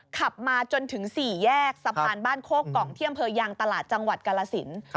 ขับมาจนถึงสี่แยกสะพานบ้านโคกกองเที่ยมเผยางตลาดจังหวัดกรสินฯ